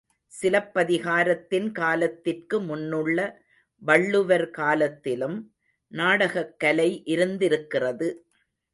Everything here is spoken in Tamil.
சிலப்பதிகாரத்தின் காலத்திற்கு முன்னுள்ள வள்ளுவர் காலத்திலும் நாடகக் கலை இருந்திருக்கிறது.